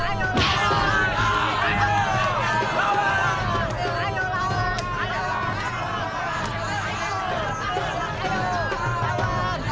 aku akan mencari siapa yang bisa menggoda dirimu